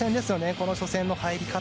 この初戦の入り方。